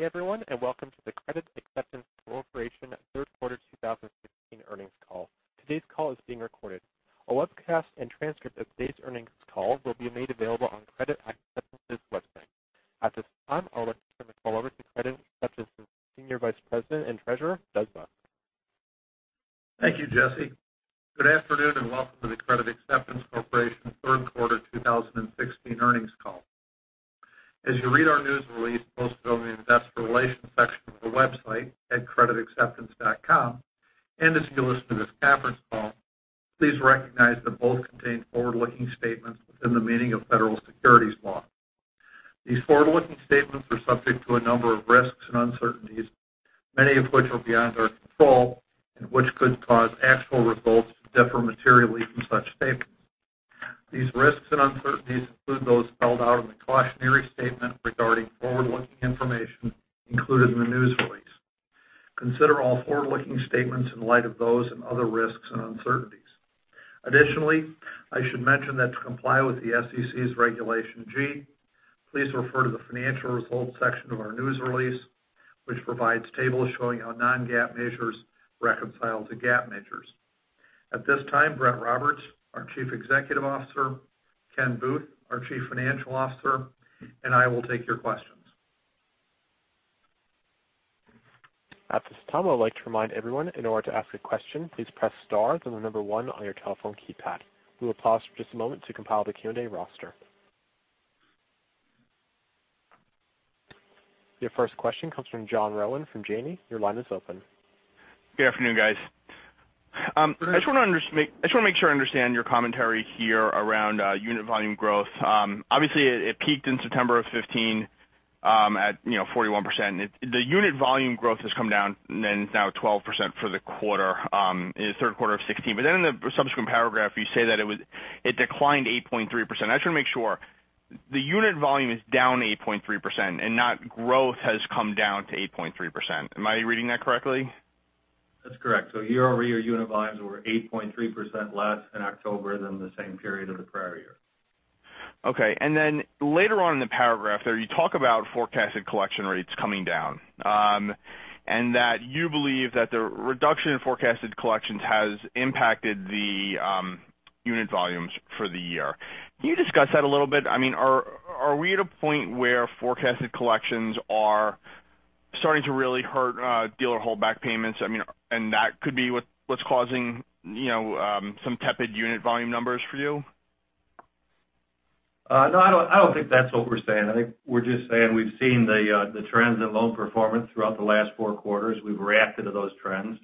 Hey everyone, welcome to the Credit which provides tables showing how non-GAAP measures reconcile to GAAP measures. At this time, Brett Roberts, our Chief Executive Officer, Ken Booth, our Chief Financial Officer, I will take your questions. At this time, I would like to remind everyone, in order to ask a question, please press star, then the number 1 on your telephone keypad. We will pause for just a moment to compile the Q&A roster. Your first question comes from John Rowan from Janney. Your line is open. Good afternoon, guys. I just want to make sure I understand your commentary here around unit volume growth. Obviously, it peaked in September of 2015 at 41%. The unit volume growth has come down and is now 12% for the third quarter of 2016. In the subsequent paragraph, you say that it declined 8.3%. I just want to make sure. The unit volume is down 8.3% and not growth has come down to 8.3%. Am I reading that correctly? That's correct. Year-over-year, unit volumes were 8.3% less in October than the same period of the prior year. Okay. Later on in the paragraph there, you talk about forecasted collection rates coming down. You believe that the reduction in forecasted collections has impacted the unit volumes for the year. Can you discuss that a little bit? Are we at a point where forecasted collections are starting to really hurt dealer holdback payments and that could be what's causing some tepid unit volume numbers for you? No, I don't think that's what we're saying. I think we're just saying we've seen the trends in loan performance throughout the last four quarters. We've reacted to those trends.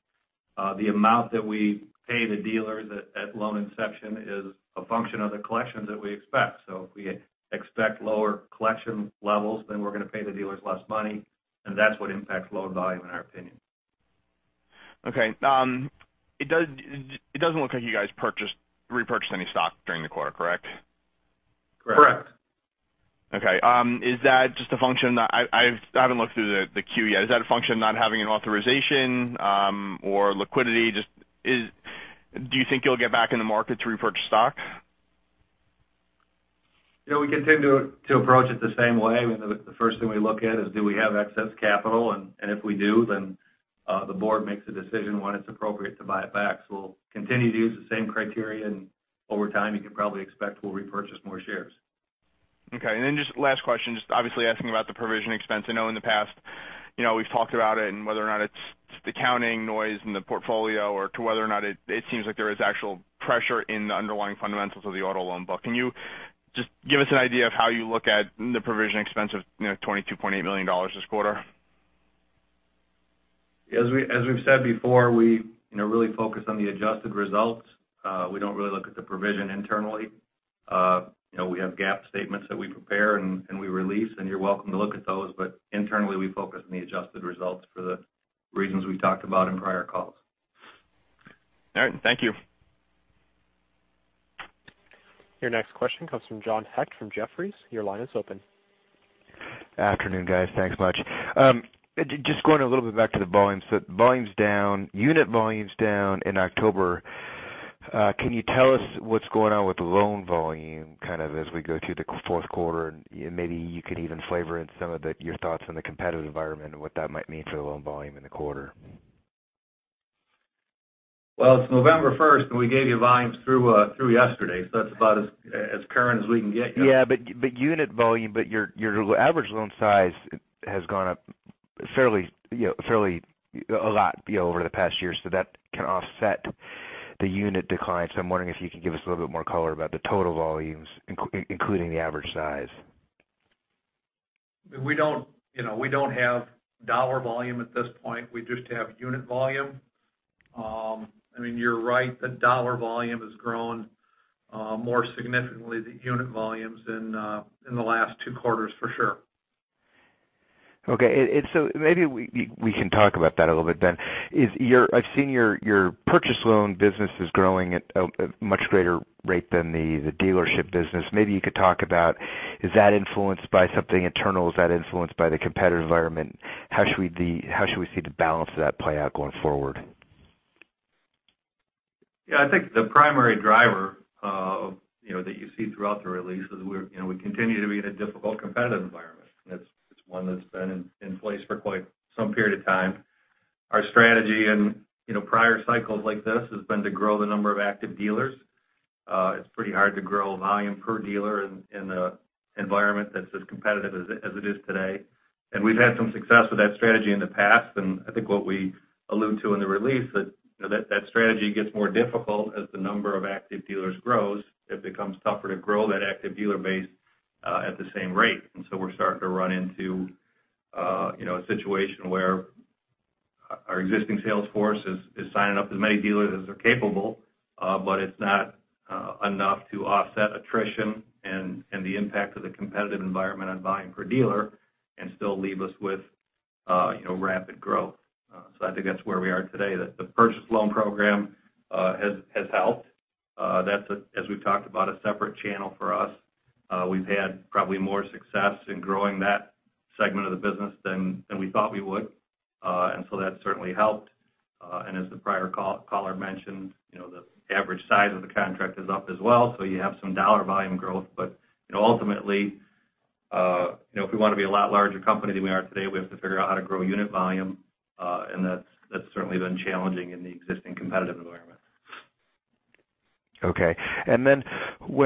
The amount that we pay the dealers at loan inception is a function of the collections that we expect. If we expect lower collection levels, we're going to pay the dealers less money. That's what impacts loan volume in our opinion. Okay. It doesn't look like you guys repurchased any stock during the quarter, correct? Correct. Okay. I haven't looked through the 10-Q yet. Is that a function of not having an authorization or liquidity? Do you think you'll get back in the market to repurchase stock? We continue to approach it the same way. The first thing we look at is do we have excess capital? If we do, the board makes a decision when it's appropriate to buy it back. We'll continue to use the same criteria, and over time you can probably expect we'll repurchase more shares. Okay. Just last question, obviously asking about the provision expense. I know in the past we've talked about it and whether or not it's the accounting noise in the portfolio or whether or not it seems like there is actual pressure in the underlying fundamentals of the auto loan book. Can you just give us an idea of how you look at the provision expense of $22.8 million this quarter? As we've said before, we really focus on the adjusted results. We don't really look at the provision internally. We have GAAP statements that we prepare and we release, and you're welcome to look at those. Internally, we focus on the adjusted results for the reasons we've talked about in prior calls. All right. Thank you. Your next question comes from John Hecht from Jefferies. Your line is open. Afternoon, guys. Thanks much. Just going a little bit back to the volumes. The unit volume's down in October. Can you tell us what's going on with loan volume as we go through the fourth quarter? Maybe you could even flavor in some of your thoughts on the competitive environment and what that might mean for the loan volume in the quarter. It's November 1st, and we gave you volumes through yesterday, so that's about as current as we can get you. Yeah. Your average loan size has gone up a lot over the past year, so that can offset the unit decline. I'm wondering if you can give us a little bit more color about the total volumes, including the average size. We don't have dollar volume at this point. We just have unit volume. You're right, the dollar volume has grown more significantly than unit volumes in the last two quarters for sure. Okay. Maybe we can talk about that a little bit then. I've seen your purchase loan business is growing at a much greater rate than the dealership business. Maybe you could talk about is that influenced by something internal? Is that influenced by the competitive environment? How should we see the balance of that play out going forward? I think the primary driver that you see throughout the release is we continue to be in a difficult competitive environment. It's one that's been in place for quite some period of time. Our strategy in prior cycles like this has been to grow the number of active dealers. It's pretty hard to grow volume per dealer in an environment that's as competitive as it is today. We've had some success with that strategy in the past. I think what we allude to in the release, that strategy gets more difficult as the number of active dealers grows. It becomes tougher to grow that active dealer base at the same rate. So we're starting to run into a situation where our existing sales force is signing up as many dealers as they're capable, but it's not enough to offset attrition and the impact of the competitive environment on buying per dealer and still leave us with rapid growth. I think that's where we are today. The Purchase loan Program has helped. That's, as we've talked about, a separate channel for us. We've had probably more success in growing that segment of the business than we thought we would. That certainly helped. As the prior caller mentioned, the average size of the contract is up as well. You have some dollar volume growth. Ultimately, if we want to be a lot larger company than we are today, we have to figure out how to grow unit volume. That's certainly been challenging in the existing competitive environment. Okay. Is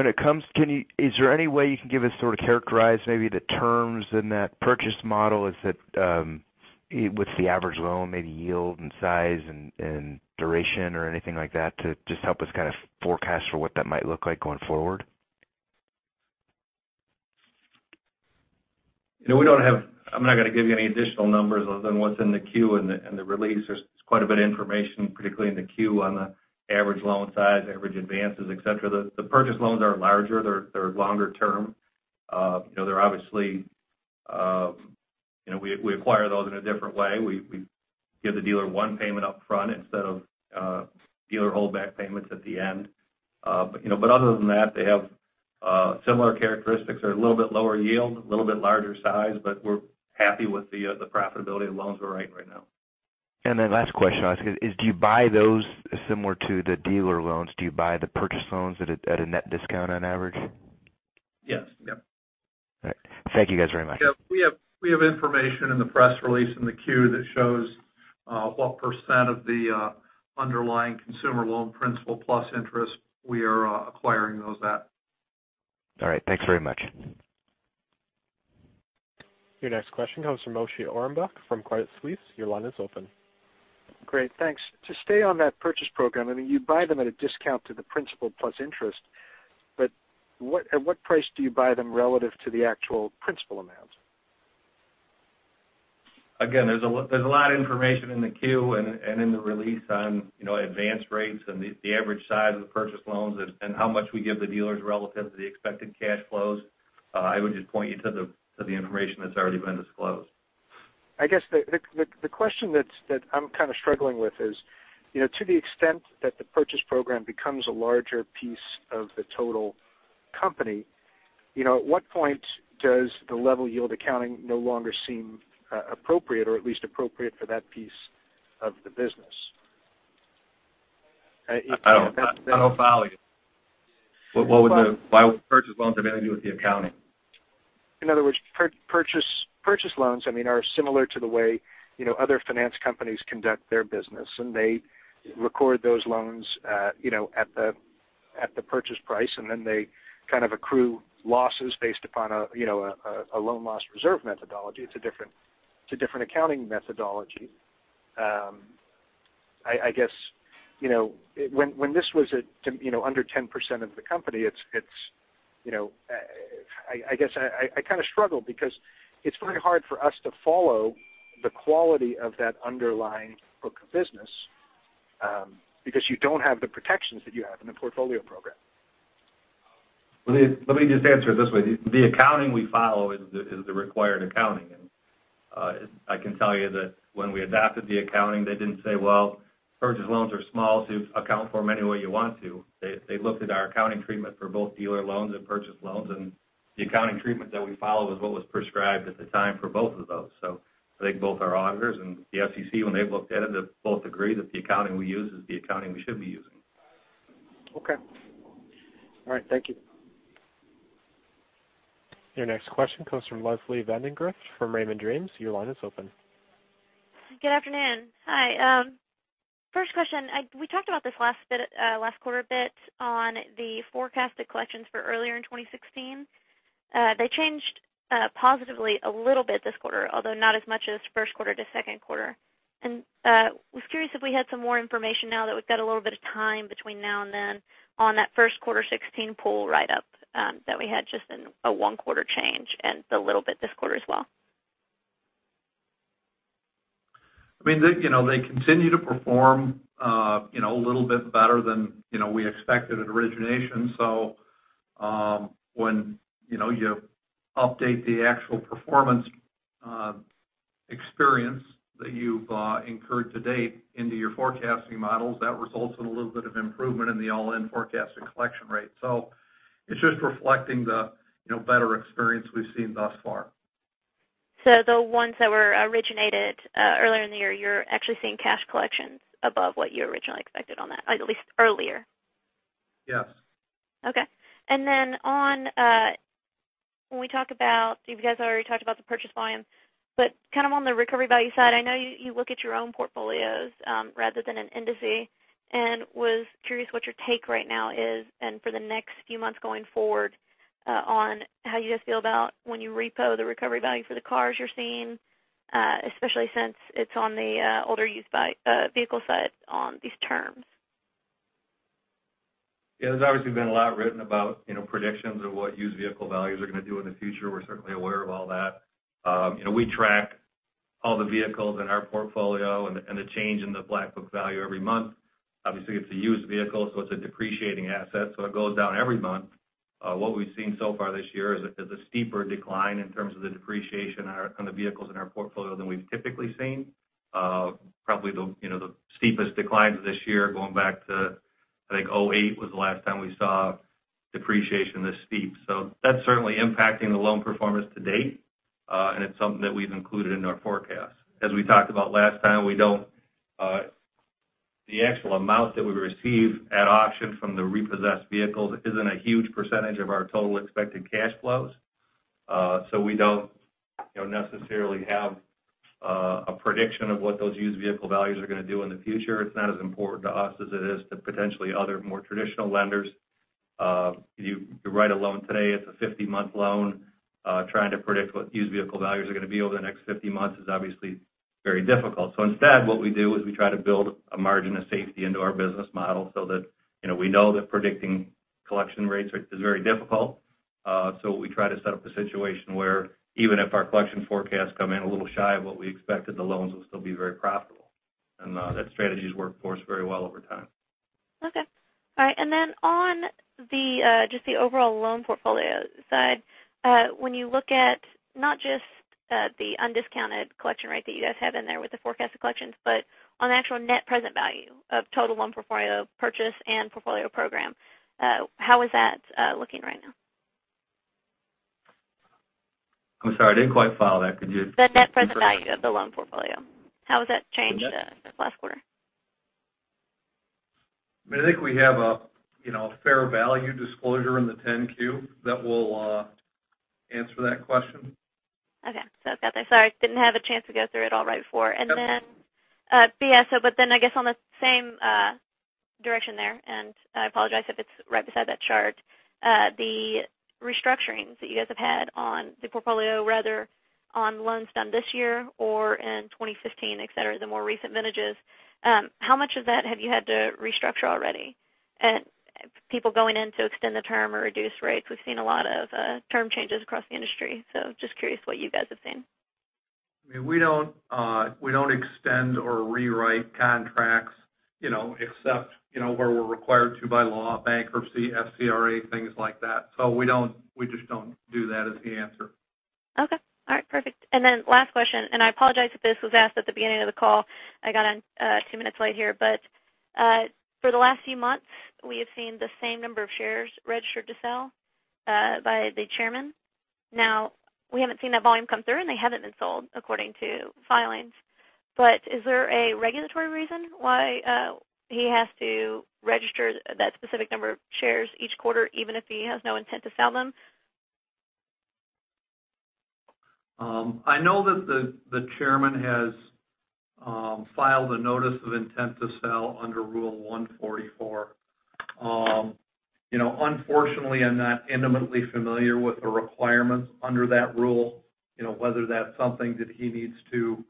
there any way you can give us, sort of characterize maybe the terms in that purchase model? What's the average loan, maybe yield and size and duration or anything like that to just help us kind of forecast for what that might look like going forward? I'm not going to give you any additional numbers other than what's in the 10-Q and the release. There's quite a bit of information, particularly in the 10-Q, on the average loan size, average advances, et cetera. The Purchase loans are larger. They're longer term. We acquire those in a different way. We give the dealer one payment up front instead of dealer holdback payments at the end. Other than that, they have similar characteristics. They're a little bit lower yield, a little bit larger size, but we're happy with the profitability of the loans we're writing right now. Last question I'll ask is, do you buy those similar to the Dealer loans? Do you buy the Purchase loans at a net discount on average? Yes. All right. Thank you guys very much. We have information in the press release in the 10-Q that shows what % of the underlying consumer loan principal plus interest we are acquiring those at. All right. Thanks very much. Your next question comes from Moshe Orenbuch from Credit Suisse. Your line is open. Great, thanks. To stay on that Purchase Program, I mean, you buy them at a discount to the principal plus interest. At what price do you buy them relative to the actual principal amount? Again, there's a lot of information in the Q and in the release on advance rates and the average size of the purchase loans and how much we give the dealers relative to the expected cash flows. I would just point you to the information that's already been disclosed. I guess the question that I'm kind of struggling with is, to the extent that the Purchase Program becomes a larger piece of the total company, at what point does the level yield accounting no longer seem appropriate, or at least appropriate for that piece of the business? I don't follow you. Why would purchase loans have anything to do with the accounting? In other words, purchase loans are similar to the way other finance companies conduct their business. They record those loans at the purchase price, and then they kind of accrue losses based upon a loan loss reserve methodology. It's a different accounting methodology. I guess, when this was under 10% of the company, I guess I kind of struggle because it's very hard for us to follow the quality of that underlying book of business because you don't have the protections that you have in the Portfolio Program. Let me just answer it this way. The accounting we follow is the required accounting. I can tell you that when we adapted the accounting, they didn't say, "Well, purchase loans are small, so you account for them any way you want to." They looked at our accounting treatment for both dealer loans and purchase loans. The accounting treatment that we follow was what was prescribed at the time for both of those. I think both our auditors and the SEC, when they've looked at it, have both agreed that the accounting we use is the accounting we should be using. Okay. All right. Thank you. Your next question comes from Leslie Vandegrift from Raymond James. Your line is open. Good afternoon. Hi. First question, we talked about this last quarter a bit on the forecasted collections for earlier in 2016. They changed positively a little bit this quarter, although not as much as first quarter to second quarter. I was curious if we had some more information now that we've got a little bit of time between now and then on that first quarter 2016 pool write-up that we had just in a one-quarter change and the little bit this quarter as well. I mean, they continue to perform a little bit better than we expected at origination. When you update the actual performance experience that you've incurred to date into your forecasting models, that results in a little bit of improvement in the all-in forecasted collection rate. It's just reflecting the better experience we've seen thus far. The ones that were originated earlier in the year, you're actually seeing cash collections above what you originally expected on that, at least earlier. Yes. Okay. When we talk about, you guys already talked about the purchase volume, but kind of on the recovery value side, I know you look at your own portfolios, rather than an industry, and was curious what your take right now is and for the next few months going forward, on how you guys feel about when you repo the recovery value for the cars you're seeing, especially since it's on the older used vehicle side on these terms. Yeah. There's obviously been a lot written about predictions of what used vehicle values are going to do in the future. We're certainly aware of all that. We track all the vehicles in our portfolio and the change in the Black Book value every month. Obviously, it's a used vehicle, so it's a depreciating asset, so it goes down every month. What we've seen so far this year is a steeper decline in terms of the depreciation on the vehicles in our portfolio than we've typically seen. Probably the steepest declines this year going back to, I think, 2008 was the last time we saw depreciation this steep. That's certainly impacting the loan performance to date. It's something that we've included in our forecast. As we talked about last time, the actual amount that we receive at auction from the repossessed vehicles isn't a huge percentage of our total expected cash flows. We don't necessarily have a prediction of what those used vehicle values are going to do in the future. It's not as important to us as it is to potentially other, more traditional lenders. You write a loan today, it's a 50-month loan. Trying to predict what used vehicle values are going to be over the next 50 months is obviously very difficult. Instead, what we do is we try to build a margin of safety into our business model so that we know that predicting collection rates is very difficult. We try to set up the situation where even if our collection forecasts come in a little shy of what we expected, the loans will still be very profitable. That strategy's worked for us very well over time. Okay. All right. Then on just the overall loan portfolio side, when you look at not just the undiscounted collection rate that you guys have in there with the forecasted collections, but on the actual net present value of total loan portfolio Purchase Program and Portfolio Program, how is that looking right now? I'm sorry, I didn't quite follow that. Could you repeat that? The net present value of the loan portfolio, how has that changed since last quarter? I think we have a fair value disclosure in the 10-Q that will answer that question. Okay. Got there. Sorry, didn't have a chance to go through it all right before. That's okay. I guess on the same direction there, I apologize if it's right beside that chart, the restructurings that you guys have had on the portfolio, rather on loans done this year or in 2015, et cetera, the more recent vintages, how much of that have you had to restructure already? People going in to extend the term or reduce rates. We've seen a lot of term changes across the industry. Just curious what you guys have seen. We don't extend or rewrite contracts except where we're required to by law, bankruptcy, SCRA, things like that. We just don't do that is the answer. Okay. All right, perfect. Last question, and I apologize if this was asked at the beginning of the call. I got on two minutes late here. For the last few months, we have seen the same number of shares registered to sell by the Chairman. We haven't seen that volume come through, and they haven't been sold according to filings. Is there a regulatory reason why he has to register that specific number of shares each quarter, even if he has no intent to sell them? I know that the Chairman has filed a notice of intent to sell under Rule 144. Unfortunately, I'm not intimately familiar with the requirements under that rule, whether that's something that he needs to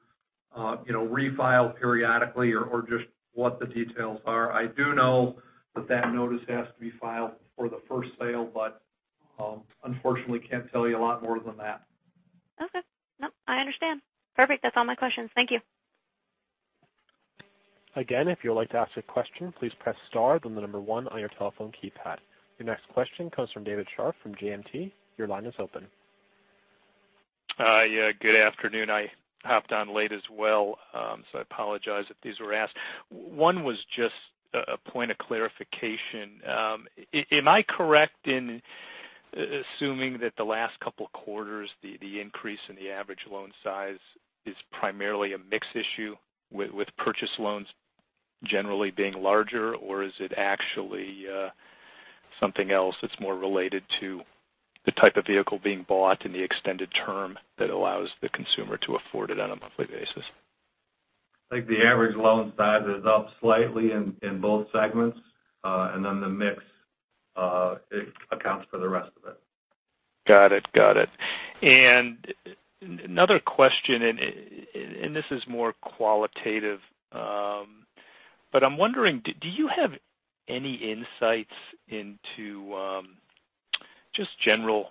refile periodically or just what the details are. I do know that that notice has to be filed for the first sale, unfortunately can't tell you a lot more than that. Okay. No, I understand. Perfect. That's all my questions. Thank you. Again, if you would like to ask a question, please press star then the number 1 on your telephone keypad. Your next question comes from David Scharf from JMP. Your line is open. Yeah, good afternoon. I hopped on late as well. I apologize if these were asked. One was just a point of clarification. Am I correct in assuming that the last couple of quarters, the increase in the average loan size is primarily a mix issue with Purchase loans generally being larger, or is it actually something else that's more related to the type of vehicle being bought and the extended term that allows the consumer to afford it on a monthly basis? I think the average loan size is up slightly in both segments. The mix accounts for the rest of it. Got it. Another question, and this is more qualitative. I'm wondering, do you have any insights into just general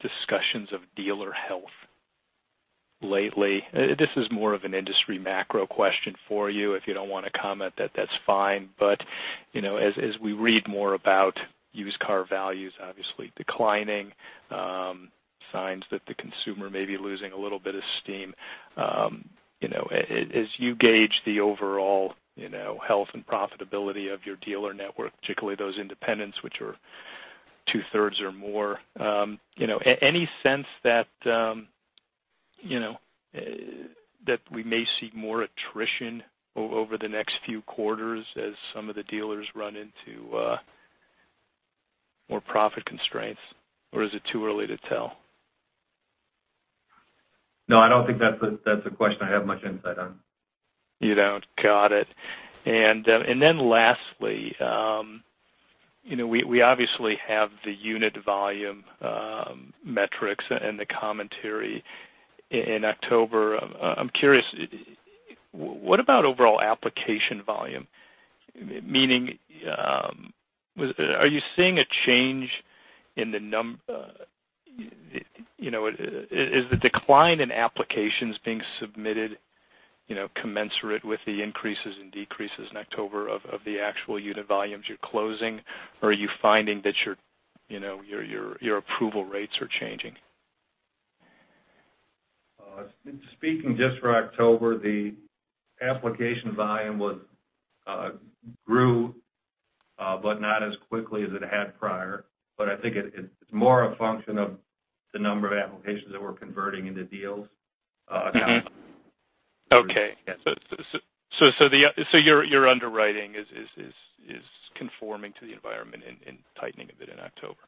discussions of dealer health lately? This is more of an industry macro question for you. If you don't want to comment, that's fine. As we read more about used car values obviously declining, signs that the consumer may be losing a little bit of steam. As you gauge the overall health and profitability of your dealer network, particularly those independents which are Two-thirds or more. Any sense that we may see more attrition over the next few quarters as some of the dealers run into more profit constraints? Is it too early to tell? No, I don't think that's a question I have much insight on. You don't. Got it. Then lastly, we obviously have the unit volume metrics and the commentary in October. I'm curious, what about overall application volume? Meaning, are you seeing a change? Is the decline in applications being submitted commensurate with the increases and decreases in October of the actual unit volumes you're closing, or are you finding that your approval rates are changing? Speaking just for October, the application volume grew, not as quickly as it had prior. I think it's more a function of the number of applications that we're converting into deals now. Okay. Yes. Your underwriting is conforming to the environment and tightening a bit in October.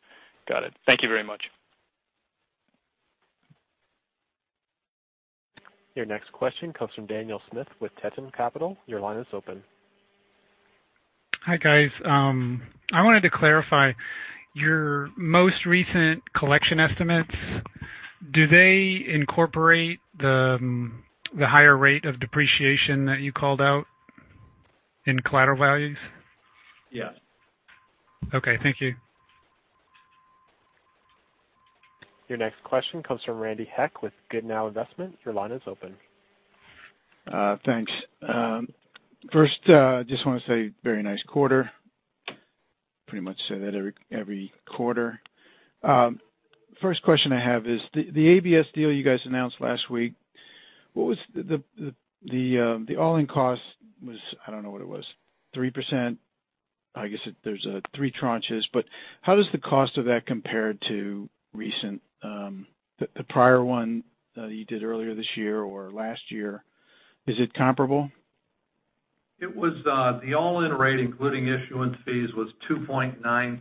Got it. Thank you very much. Your next question comes from Daniel Smith with Teton Capital. Your line is open. Hi, guys. I wanted to clarify your most recent collection estimates. Do they incorporate the higher rate of depreciation that you called out in collateral values? Yes. Okay. Thank you. Your next question comes from Randy Heck with Goodnow Investment. Your line is open. Thanks. First, just want to say very nice quarter. Pretty much say that every quarter. First question I have is, the ABS deal you guys announced last week, what was the all-in cost, I don't know what it was, 3%? I guess there's three tranches. How does the cost of that compare to the prior one that you did earlier this year or last year? Is it comparable? The all-in rate, including issuance fees, was 2.9%.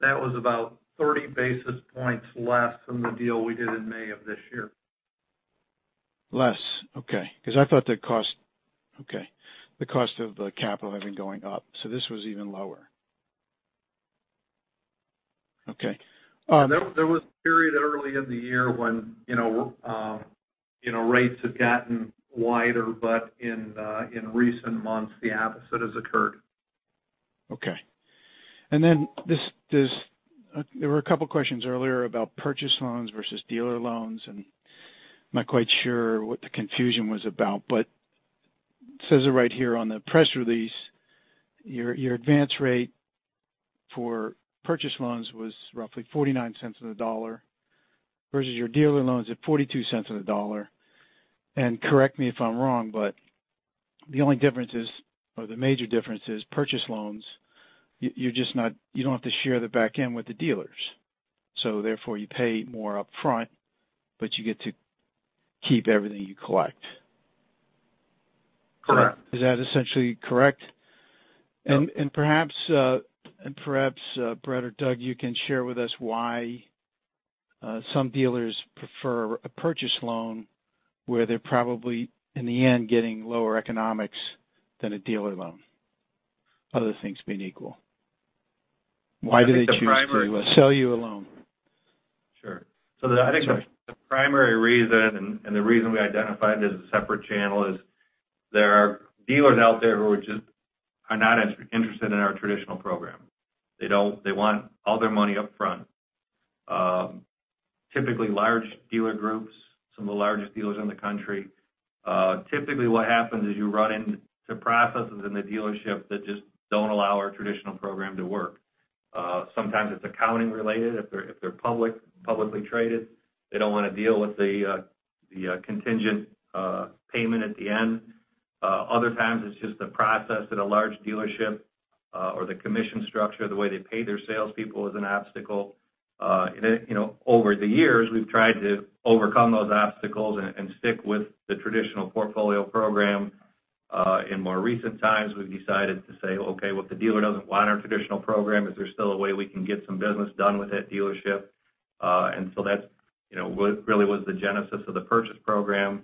That was about 30 basis points less than the deal we did in May of this year. Less. Okay. I thought the cost of the capital had been going up. This was even lower. Okay. There was a period early in the year when rates had gotten wider. In recent months, the opposite has occurred. Okay. There were a couple questions earlier about Purchase loans versus Dealer loans, and I'm not quite sure what the confusion was about, but it says it right here on the press release. Your advance rate for Purchase loans was roughly $0.49 on the dollar versus your Dealer loans at $0.42 on the dollar. Correct me if I'm wrong, but the only difference is, or the major difference is Purchase loans, you don't have to share the back end with the dealers. You pay more upfront, but you get to keep everything you collect. Correct. Is that essentially correct? Yep. Perhaps, Brett or Doug, you can share with us why some dealers prefer a Purchase loan where they're probably, in the end, getting lower economics than a Dealer loan, other things being equal. Why do they choose to sell you a loan? Sure. I think the primary reason, and the reason we identified it as a separate channel is there are dealers out there who are just not as interested in our traditional program. They want all their money upfront. Typically large dealer groups, some of the largest dealers in the country. Typically what happens is you run into processes in the dealership that just don't allow our traditional program to work. Sometimes it's accounting related. If they're publicly traded, they don't want to deal with the contingent payment at the end. Other times it's just the process at a large dealership, or the commission structure, the way they pay their salespeople is an obstacle. Over the years, we've tried to overcome those obstacles and stick with the traditional Portfolio Program. In more recent times, we've decided to say, "Okay, well, if the dealer doesn't want our traditional program, is there still a way we can get some business done with that dealership?" That really was the genesis of the Purchase Program.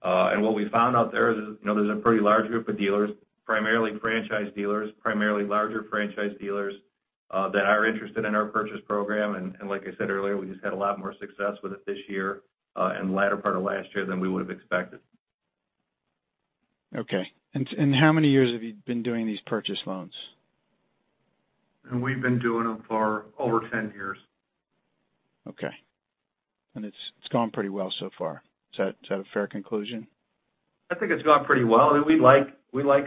What we found out there is there's a pretty large group of dealers, primarily franchise dealers, primarily larger franchise dealers, that are interested in our Purchase Program. Like I said earlier, we just had a lot more success with it this year and the latter part of last year than we would've expected. Okay. How many years have you been doing these purchase loans? We've been doing them for over 10 years. Okay. It's going pretty well so far. Is that a fair conclusion? I think it's gone pretty well. We like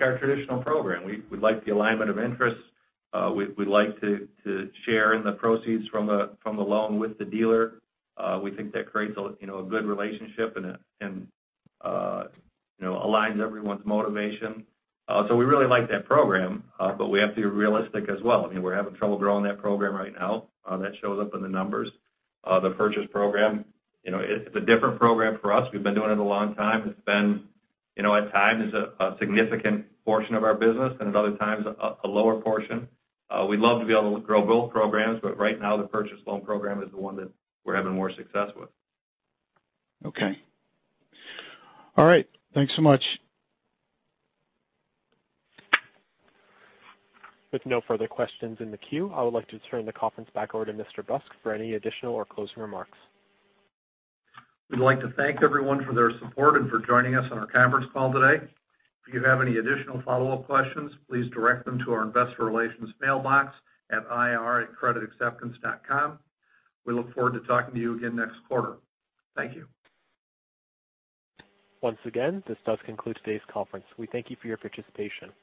our traditional program. We like the alignment of interests. We like to share in the proceeds from the loan with the dealer. We think that creates a good relationship and aligns everyone's motivation. We really like that program. We have to be realistic as well. We're having trouble growing that program right now. That shows up in the numbers. The Purchase Program, it's a different program for us. We've been doing it a long time. It's been, at times, a significant portion of our business, and at other times, a lower portion. We'd love to be able to grow both programs, right now, the Purchase loan Program is the one that we're having more success with. Okay. All right. Thanks so much. With no further questions in the queue, I would like to turn the conference back over to Mr. Busk for any additional or closing remarks. We'd like to thank everyone for their support and for joining us on our conference call today. If you have any additional follow-up questions, please direct them to our investor relations mailbox at ir@creditacceptance.com. We look forward to talking to you again next quarter. Thank you. Once again, this does conclude today's conference. We thank you for your participation.